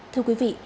thưa quý vị